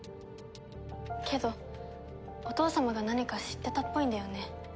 けどお父様が何か知ってたっぽいんだよね。